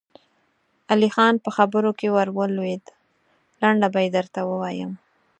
علی خان په خبره کې ور ولوېد: لنډه به يې درته ووايم.